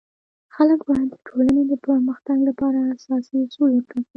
خلک باید د ټولنی د پرمختګ لپاره اساسي اصول وټاکي.